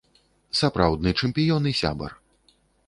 Сапраўдны чэмпіён і сябар.